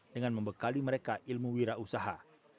dengan membekali mereka ilmu wirausaha